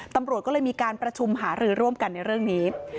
ตำรวจก็เลยมีการประชุมหารือร่วมกันในเรื่องนี้